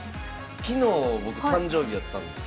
昨日僕誕生日やったんですよ。